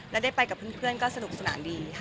แล้วได้ไปกับเพื่อนก็สนุกสนานดีค่ะ